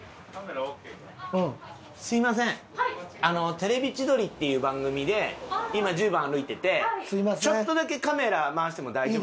『テレビ千鳥』っていう番組で今十番歩いててちょっとだけカメラ回しても大丈夫ですか？